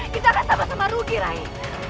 kita akan sama sama rugi rai